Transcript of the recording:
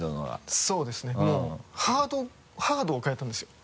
そうですねもうハードを変えたんですよ。